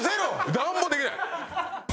なんもできない！